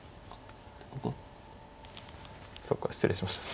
そうか失礼しました。